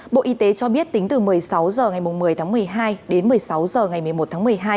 bộ y tế cho biết tính từ một mươi sáu h ngày một mươi tháng một mươi hai đến một mươi sáu h ngày một mươi một tháng một mươi hai